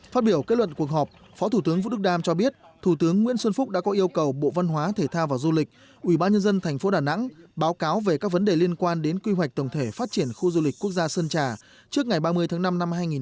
phát biểu kết luận cuộc họp phó thủ tướng vũ đức đam cho biết thủ tướng nguyễn xuân phúc đã có yêu cầu bộ văn hóa thể thao và du lịch ủy ban nhân dân thành phố đà nẵng báo cáo về các vấn đề liên quan đến quy hoạch tổng thể phát triển khu du lịch quốc gia sơn trà trước ngày ba mươi tháng năm năm hai nghìn một mươi bảy